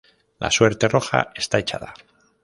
La suerte roja está echada.